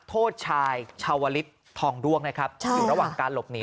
โตวริสต์ทองด้วงนะครับอยู่ระหว่างการหลบหนี